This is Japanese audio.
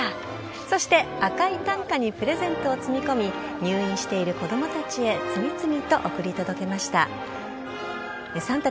そして赤い担架にプレゼントを積み込み入院している子供たちへ次々と送り届けました。